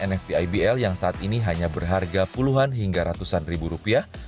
nftibl yang saat ini hanya berharga puluhan hingga ratusan ribu rupiah